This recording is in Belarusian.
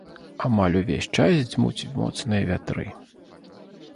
Амаль увесь час дзьмуць моцныя вятры.